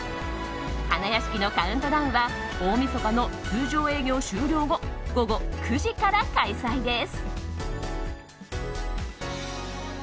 花やしきのカウントダウンは大みそかの通常営業終了後午後９時から開催です。